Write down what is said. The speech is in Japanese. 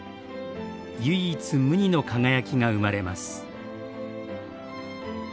唯一無二の輝きが生まれます。